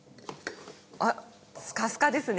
あっスカスカですね。